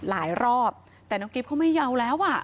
หลายรอบแต่น้องกิ๊บก็ไม่ยาวแล้ว